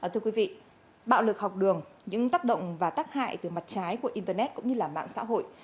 thưa quý vị bạo lực học đường những tác động và tác hại từ mặt trái của internet cũng như là mạng xã hội